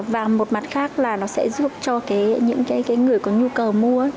và một mặt khác là nó sẽ giúp cho những người có nhu cầu mua